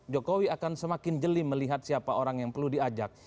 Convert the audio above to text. jokowi akan semakin jeli melihat siapa orang yang perlu diajak